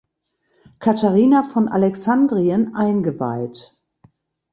Katharina von Alexandrien eingeweiht.